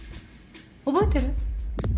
覚えてる？